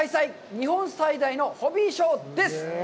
日本最大のホビーショー」です。